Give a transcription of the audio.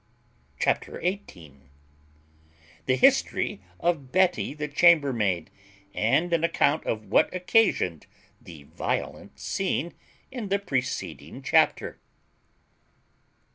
CHAPTER XVIII. _The history of Betty the chambermaid, and an account of what occasioned the violent scene in the preceding chapter.